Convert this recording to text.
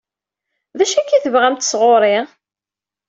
D acu akka i tebɣamt sɣur-i?